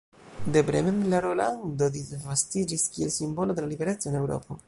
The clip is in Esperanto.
De Bremen la rolando disvastiĝis kiel simbolo de la libereco en Eŭropo.